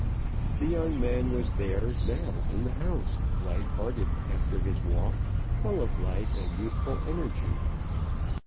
The young man was there now in the house, light hearted after his walk; full of life and youthful energy.